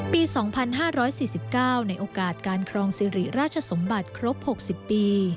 ปี๒๕๔๙ในโอกาสการครองสิริราชสมบัติครบ๖๐ปี